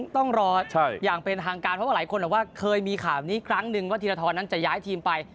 ต้องรออย่างเป็นทางการเพราะว่าหลายคนบอกว่าเคยมีข่าวนี้ครั้งนึงว่าธีรทรนั้นจะย้ายทีมไป